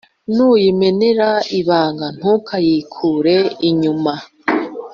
nuyimenera ibanga, ntukayiruke inyuma.